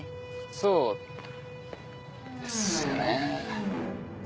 そうですよね。